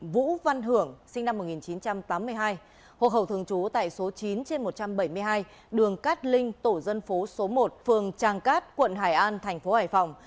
vũ văn hưởng sinh năm một nghìn chín trăm tám mươi hai hộ khẩu thường trú tại số chín trên một trăm bảy mươi hai đường cát linh tổ dân phố số một phường tràng cát quận hải an thành phố hải phòng